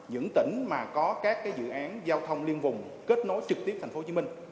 những tỉnh mà có các dự án giao thông liên vùng kết nối trực tiếp thành phố hồ chí minh